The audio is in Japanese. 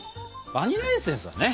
バニラエッセンスはね！